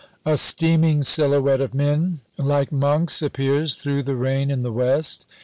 A steaming silhouette of men like monks appears through the rain in the west.